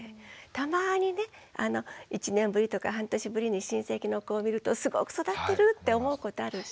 たまにね１年ぶりとか半年ぶりに親戚の子を見るとすごく育ってるって思うことある。